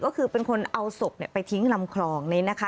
ก็คือเป็นคนเอาศพไปทิ้งลำคลองนี้นะคะ